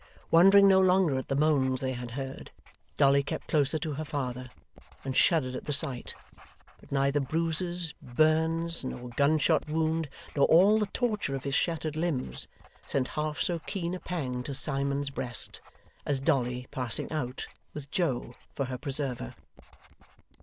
Wondering no longer at the moans they had heard, Dolly kept closer to her father, and shuddered at the sight; but neither bruises, burns, nor gun shot wound, nor all the torture of his shattered limbs, sent half so keen a pang to Simon's breast, as Dolly passing out, with Joe for her preserver.